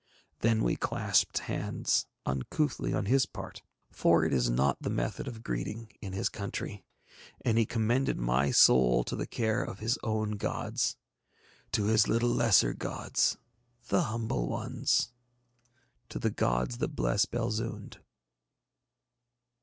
Then we clasped hands, uncouthly on his part, for it is not the method of greeting in his country, and he commended my soul to the care of his own gods, to his little lesser gods, the humble ones, to the gods that bless Belzoond.